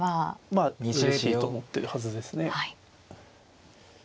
まあうれしいと思ってるはずですね。